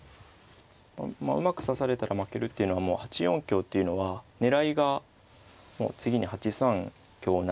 うまく指されたら負けるっていうのは８四香っていうのは狙いがもう次に８三香成しかなくてですね